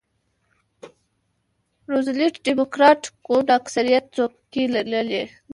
روزولټ ډیموکراټ ګوند اکثریت څوکۍ لرلې.